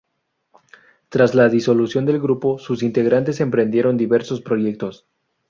Tras la disolución del grupo, sus integrantes emprendieron diversos proyectos.